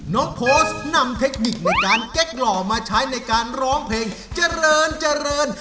น้องโพสต์นำเทคนิคในการเก็บหนอดมาใช้ในการร้องเพลงเจริญ